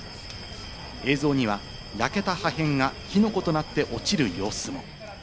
映像には焼けた破片が火の粉となって落ちる様子も。